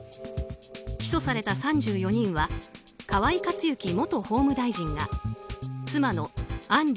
起訴された３４人は河井克行元法務大臣が妻の案